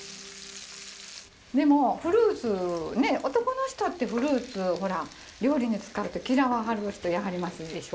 でもフルーツね男の人ってフルーツを料理に使うと嫌わはる人やはりいますでしょ。